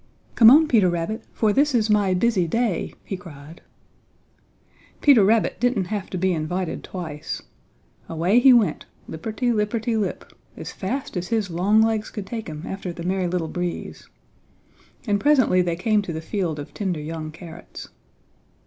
"Come on, Peter Rabbit, for this is my busy day!" he cried. Peter Rabbit didn't have to be invited twice. Away he went, lipperty lipperty lip, as fast as his long legs could take him after the Merry Little Breeze. And presently they came to the field of tender young carrots.